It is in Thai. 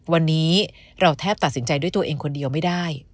วันนี้เราแทบตัดสินใจด้วยตัวเองคนเดียวไม่ได้